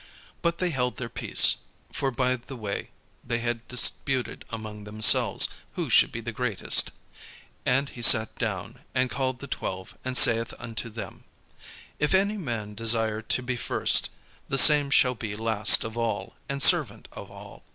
But they held their peace: for by the way they had disputed among themselves, who should be the greatest. And he sat down, and called the twelve, and saith unto them: "If any man desire to be first, the same shall be last of all, and servant of all."